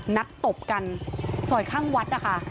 ตบกันซอยข้างวัดนะคะ